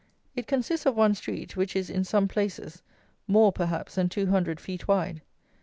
It consists of one street, which is, in some places, more, perhaps, than two hundred feet wide.